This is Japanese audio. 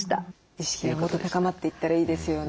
意識がもっと高まっていったらいいですよね。